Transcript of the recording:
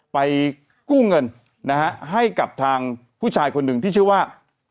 ไปกู้เงินนะฮะให้กับทางผู้ชายคนหนึ่งที่ชื่อว่า